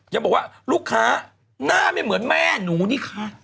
ยังบอกว่าลูกค้าหน้าไม่เหมือนแม่หนูนี่คะ